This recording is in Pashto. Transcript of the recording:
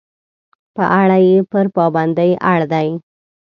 په اړه یې پر پابندۍ اړ دي.